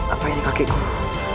apa ini kakek guru